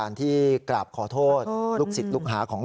อ่าขอโทษนะก็